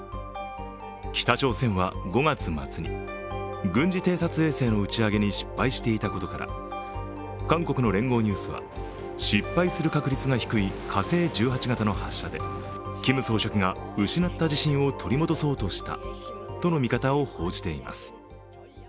北朝鮮は５月末に軍事偵察衛星の打ち上げに失敗していたことから韓国の聯合ニュースは失敗する確率が低い火星１８型の発射でキム総書記が失った自信を取り戻そうとしたとの見方を報じています。